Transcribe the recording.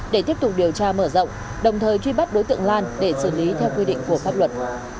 để tiếp tục điều tra mở rộng đồng thời truy bắt đối tượng lan để xử lý theo quy định của pháp luật